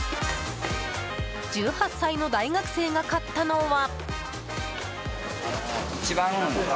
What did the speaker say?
１８歳の大学生が買ったのは。